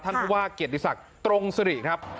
ผู้ว่าเกียรติศักดิ์ตรงสิริครับ